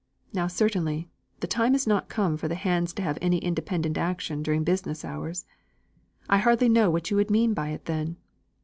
Now certainly, the time is not come for the hands to have any independent action during business hours; I hardly know what you would mean by it then.